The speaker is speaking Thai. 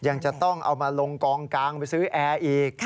ยังจะต้องเอามาลงกองกลางไปซื้อแอร์อีก